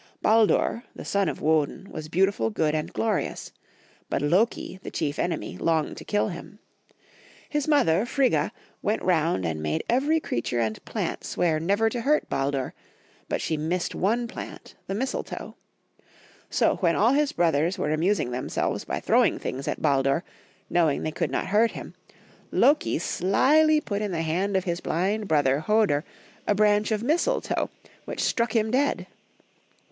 Baldur, the son of Woden, was beautiful, good, and glorious ; but Loki, the chief enemy, longed to kill him. His mother, Frigga, went round and made every crea> tare and plant swear never to hurt Baldur, but she missed one plant, the mistletoe. So when all liia brothers were amusing themselves by throwing things at Baldur, knowing they could not hurt him, Loki slyly put in the hand of his blind brother 20 Young Folks* JSiatory of O^ermany. Hodur a branch of mistletoe which struck him dead.